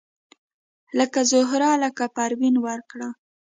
لکه زهره لکه پروین ورکړه